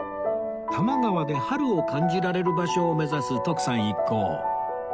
多摩川で春を感じられる場所を目指す徳さん一行